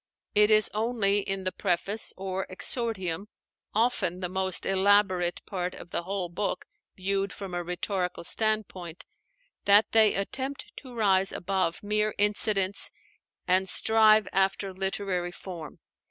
It is only in the Preface, or 'Exordium,' often the most elaborate part of the whole book viewed from a rhetorical standpoint, that they attempt to rise above mere incidents and strive after literary form.